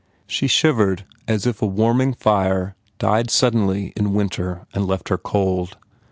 She shivered .is if a warming fire died suddenly in winter and left her cold.